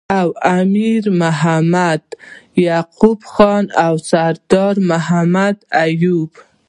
او امیر محمد یعقوب خان او سردار محمد ایوب